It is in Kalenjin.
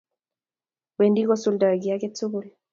Wendi kosuldoi kiy ake tukul.